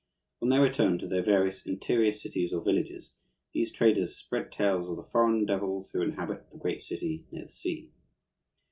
On their return to their various interior cities or villages these traders spread tales of the foreign devils who inhabit the great city near the sea.